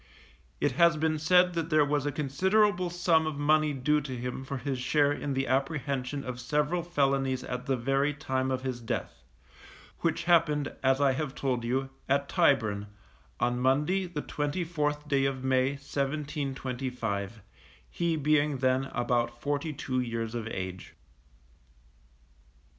It has been said that there was a considerable sum of money due to him for his share in the apprehension of several felonies at the very time of his death, which happened, as I have told you, at Tyburn, on Monday, the 24th day of May, 1725; he being then about forty two years of age.